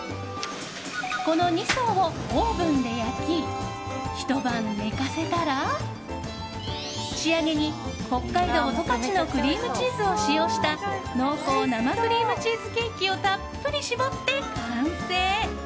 この２層をオーブンで焼きひと晩寝かせたら仕上げに北海道十勝のクリームチーズを使用した濃厚生クリームチーズケーキをたっぷり絞って完成。